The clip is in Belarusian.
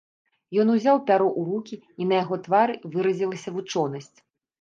Ён узяў пяро ў рукі, і на яго твары выразілася вучонасць.